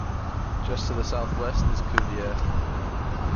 Just to the southwest is Cuvier.